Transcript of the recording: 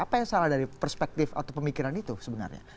apa yang salah dari perspektif atau pemikiran itu sebenarnya